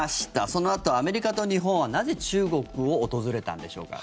そのあとアメリカと日本はなぜ中国を訪れたんでしょうか。